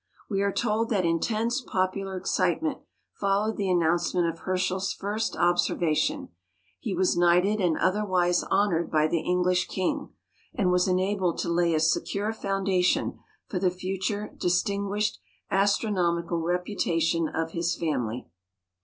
We are told that intense popular excitement followed the announcement of Herschel's first observation: he was knighted and otherwise honored by the English King, and was enabled to lay a secure foundation for the future distinguished astronomical reputation of his family.